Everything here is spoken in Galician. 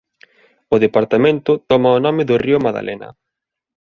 O departamento toma o nome do río Magdalena.